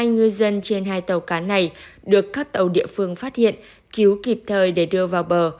một mươi hai người dân trên hai tàu cá này được các tàu địa phương phát hiện cứu kịp thời để đưa vào bờ